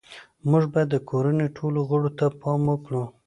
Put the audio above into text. موږ باید د کورنۍ ټولو غړو ته پام وکړو